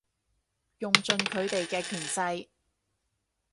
用盡佢哋嘅權勢